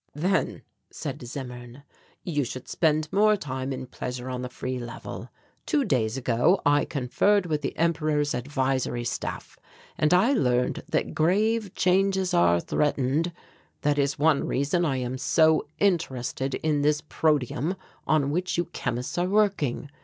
"Then," said Zimmern, "you should spend more time in pleasure on the Free Level. Two days ago I conferred with the Emperor's Advisory Staff, and I learned that grave changes are threatened. That is one reason I am so interested in this protium on which you chemists are working.